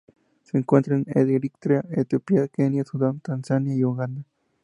Se encuentra en Eritrea, Etiopía, Kenia, Sudán, Tanzania, y Uganda.